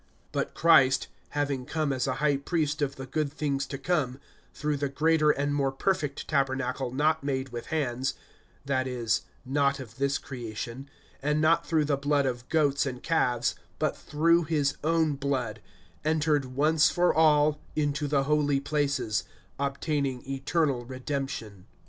(11)But Christ, having come as a high priest of the good things to come, through the greater and more perfect tabernacle, not made with hands (that is, not of this creation), (12)and not through the blood of goats and calves but through his own blood, entered once for all into the holy places, obtaining eternal redemption.